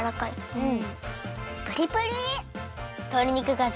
うん！